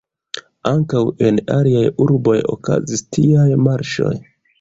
Ankaŭ en aliaj urboj okazis tiaj marŝoj.